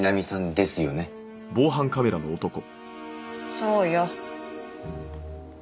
そうよ。